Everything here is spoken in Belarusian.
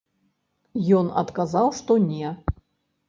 Ён адказаў, што не.